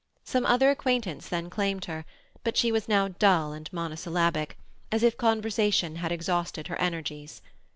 Some other acquaintance then claimed her, but she was now dull and monosyllabic, as if conversation had exhausted her energies.